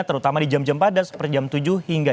terutama di jam jam padat seperti jam tujuh hingga dua puluh